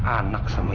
anak sama ibu sama aja